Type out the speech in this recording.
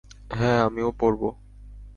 হ্যাঁ, আমিও পড়বো।